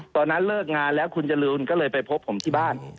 ตอนนั้นเลิกงานแล้วคุณจรูนก็เลยไปพบผมที่บ้าน